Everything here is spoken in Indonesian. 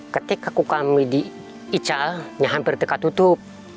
ketika kami diical hampir tidak tutup